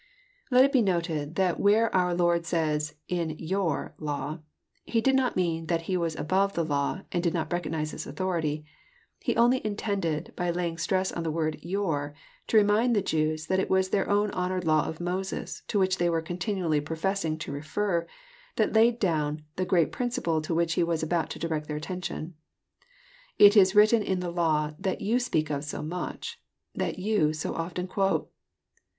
Let it be noted, that where our Lord says in youb law, He did not mean that He was above the law and did not recogw nize its authority. He only intended, by laying stress on the word ''your," to remind the Jews that it was their own honoured law of Moses, to which they were continually pro fessing to refer, that laid down the great principle to which He was about to direct their attention. " It is written in the law^ that Tou speak of so much, and that you so often quote."